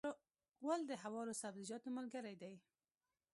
غول د هوارو سبزیجاتو ملګری دی.